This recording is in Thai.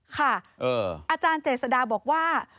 อาจารย์เจษฎาบอกว่า